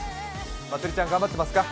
まつりちゃん頑張ってますか。